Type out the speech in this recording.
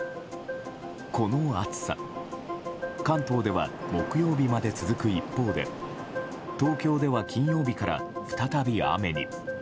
この暑さ、関東では木曜日まで続く一方で東京では金曜日から再び雨に。